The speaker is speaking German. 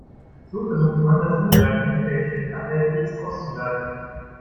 So versucht man, das Ungleichgewicht der Geschlechter halbwegs auszugleichen.